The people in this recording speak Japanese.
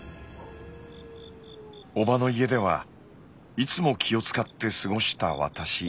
おばの家ではいつも気を遣って過ごした私。